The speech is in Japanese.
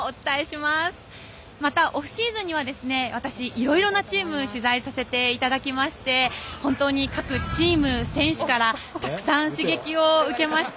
また、オフシーズンには私、いろいろなチームに取材させていただきまして本当に各チーム、選手からたくさん刺激を受けました。